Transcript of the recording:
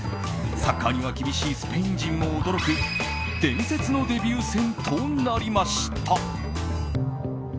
サッカーには厳しいスペイン人も驚く伝説のデビュー戦となりました。